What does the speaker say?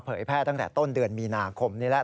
แพร่ตั้งแต่ต้นเดือนมีนาคมนี้แล้ว